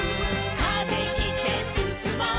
「風切ってすすもう」